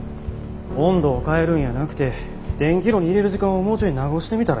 温度を変えるんやなくて電気炉に入れる時間をもうちょい長うしてみたらええんちゃうか？